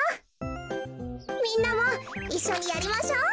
みんなもいっしょにやりましょう。